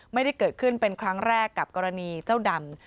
ไม่ได้เกิดขึ้นเป็นครั้งแรกกับกรณีเจ้าดำ